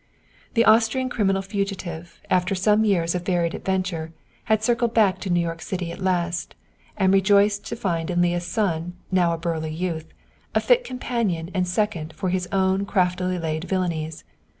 The Austrian criminal fugitive, after some years of varied adventure, had circled back to New York City at last, and rejoiced to find in Leah's son, now a burly youth, a fit companion and second for his own craftily laid villanies.